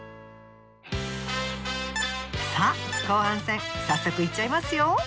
さあ後半戦早速いっちゃいますよ。